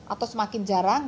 atau semakin jarang